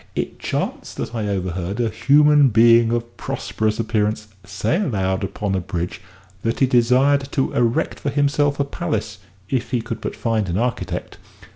it chanced that I overheard a human being of prosperous appearance say aloud upon a bridge that he desired to erect for himself a palace if he could but find an architect.